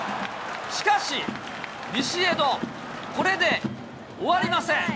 しかし、ビシエド、これで終わりません。